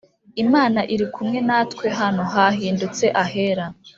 Imana iri kumwe natwe hano ha hindutse ahera